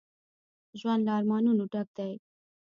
ژوند له ارمانونو ډک دی